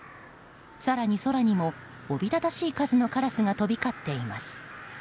更に空にもおびただしい数のカラスが飛び交っています。